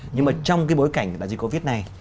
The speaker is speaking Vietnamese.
nhưng mà trong cái bối cảnh đại dịch covid này